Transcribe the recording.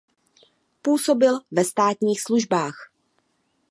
Působil ve státních službách.